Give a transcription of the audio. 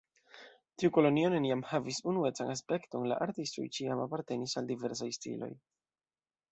Tiu kolonio neniam havis unuecan aspekton, la artistoj ĉiam apartenis al diversaj stiloj.